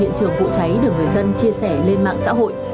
hiện trường vụ cháy được người dân chia sẻ lên mạng xã hội